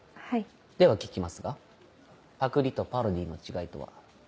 では聞きますがパクリとパロディーの違いとは？